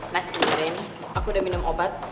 mas tinggalin aku udah minum obat